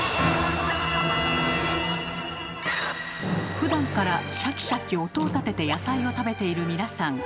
ふだんからシャキシャキ音を立てて野菜を食べている皆さん